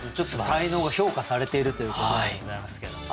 才能が評価されているということでございますけれども。